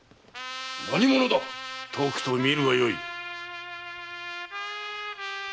何者だ⁉とくと見るがよい。